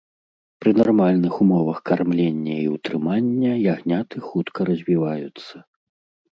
Пры нармальных умовах кармлення і ўтрымання ягняты хутка развіваюцца.